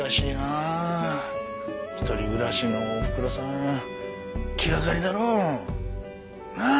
一人暮らしのおふくろさん気掛かりだろう。なあ？